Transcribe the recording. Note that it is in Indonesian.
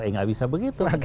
ya tidak bisa begitu